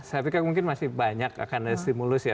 saya pikir mungkin masih banyak akan ada stimulus ya